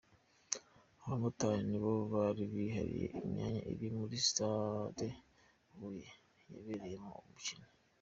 Abamotari nibo bari bihariye imyamya iri muri Sitade Huye yabereyemo uwo mukino.